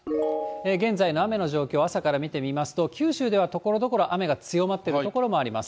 現在の雨の状況、朝から見てみますと、九州ではところどころ、雨が強まっている所もあります。